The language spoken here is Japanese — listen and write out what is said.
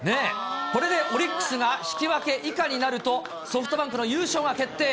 これでオリックスが引き分け以下になると、ソフトバンクの優勝が決定。